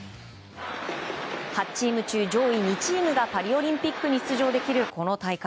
８チーム中、上位２チームがパリオリンピックに出場できるこの大会。